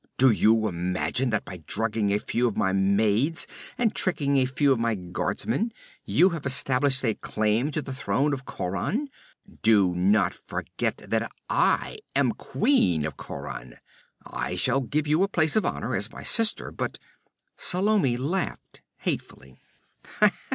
'Do you imagine that by drugging a few of my maids and tricking a few of my guardsmen you have established a claim to the throne of Khauran? Do not forget that I am Queen of Khauran! I shall give you a place of honor, as my sister, but ' Salome laughed hatefully.